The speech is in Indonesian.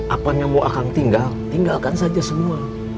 apanya mau akang tinggal tinggalkan saja semua